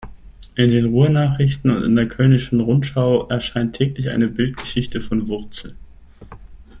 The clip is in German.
In den Ruhr-Nachrichten und in der Kölnischen Rundschau erscheint täglich eine Bildgeschichte von Wurzel.